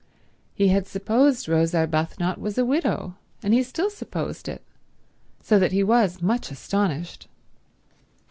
He had supposed Rose Arbuthnot was a widow, and he still supposed it; so that he was much astonished.